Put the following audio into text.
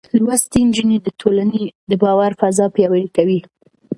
لوستې نجونې د ټولنې د باور فضا پياوړې کوي.